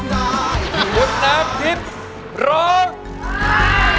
คุณน้ำทิพย์ร้อง